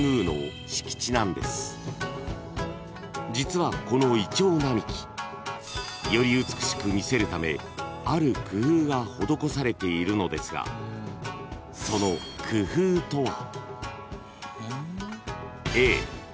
［実はこのいちょう並木より美しく見せるためある工夫が施されているのですがその工夫とは？］